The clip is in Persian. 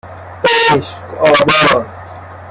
عشق آباد